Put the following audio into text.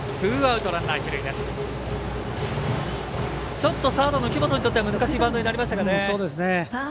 ちょっとサードの木本にとっては難しいバウンドになりましたね。